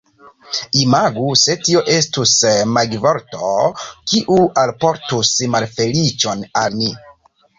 Imagu se tio estus magivorto, kiu alportus malfeliĉon al ni.